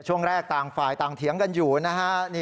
ช่วงแรกต่างฝ่ายต่างเถียงกันอยู่นะฮะ